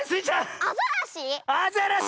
アザラシ？